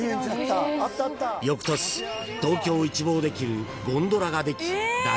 ［翌年東京を一望できるゴンドラができ大人気に］